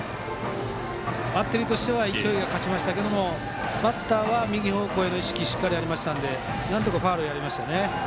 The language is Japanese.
バッテリーとしては勢いが勝ちましたがバッターは右方向への意識がしっかりありましたのでなんとかファウルになりました。